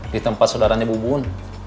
di tempat saudaranya bubun